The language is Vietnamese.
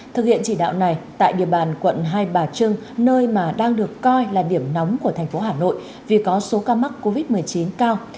thực hiện chỉ đạo này tại địa bàn quận hai bà trưng nơi mà đang được coi là điểm nóng của thành phố hà nội vì có số ca mắc covid một mươi chín cao